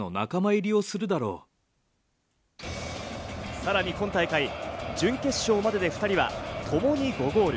さらに今大会、準決勝までで２人はともに５ゴール。